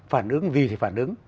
phản ứng gì thì phản ứng